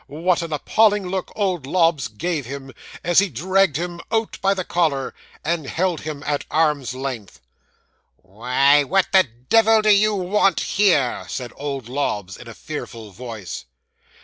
what an appalling look old Lobbs gave him, as he dragged him out by the collar, and held him at arm's length. '"Why, what the devil do you want here?" said old Lobbs, in a fearful voice.